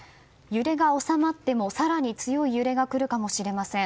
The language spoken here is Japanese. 揺れが収まっても更に強い揺れが来るかもしれません。